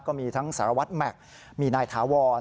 ก็มีทั้งสารวัตรแม็กซ์มีนายถาวร